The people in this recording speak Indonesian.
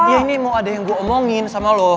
dia ini mau ada yang gue omongin sama lo